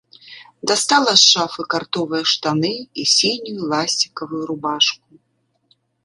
Дастала з шафы картовыя штаны і сінюю ласцікавую рубашку.